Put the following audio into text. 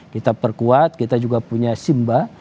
kita perkuat kita juga punya simba